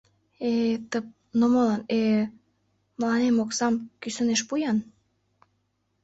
Э-э... тып... мо молан... э... мыланем оксам кӱсынеш пу-ян...